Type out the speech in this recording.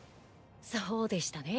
そうでしたね！